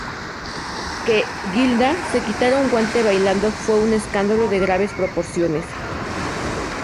Que "Gilda" se quitara un guante bailando fue un escándalo de graves proporciones.